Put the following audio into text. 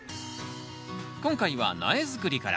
今回は苗作りから。